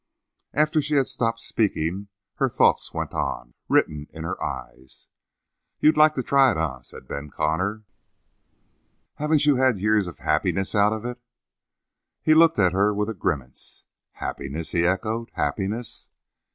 After she had stopped speaking her thoughts went on, written in her eyes. "You'd like to try it, eh?" said Ben Connor. "Haven't you had years of happiness out of it?" He looked at her with a grimace. "Happiness?" he echoed. "Happiness?"